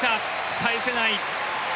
返せない。